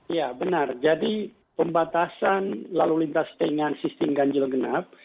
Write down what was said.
ya benar jadi pembatasan lalu lintas sistem ganjel genap